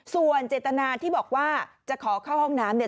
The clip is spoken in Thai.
ส่วนเจตนาที่บอกว่าจะขอเข้าห้องน้ำเนี่ย